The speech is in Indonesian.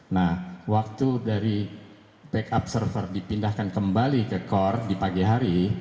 nah waktu dari backup server dipindahkan kembali ke core di pagi hari